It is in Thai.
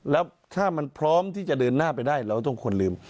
แล้วถ้ามันพร้อมที่จะเดินหน้าไปได้เราต้องควรลืม